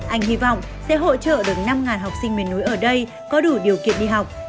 anh hy vọng sẽ hỗ trợ được năm học sinh miền núi ở đây có đủ điều kiện đi học